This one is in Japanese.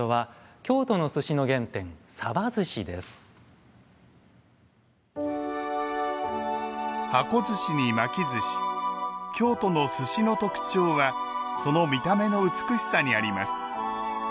京都の寿司の特徴はその見た目の美しさにあります。